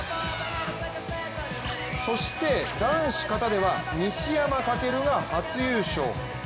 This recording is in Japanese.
そして男子形では西山走が初優勝。